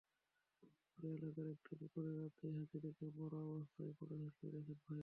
পরে এলাকার একটি পুকুরে রাতেই হাতিটিকে মরা অবস্থায় পড়ে থাকতে দেখেন তাঁরা।